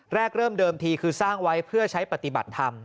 แรกเริ่มเดิมทีคือสร้างไว้เพื่อใช้ปฏิบัติธรรม